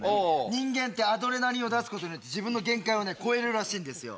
人間ってアドレナリンを出すことによって自分の限界をね超えるらしいんですよ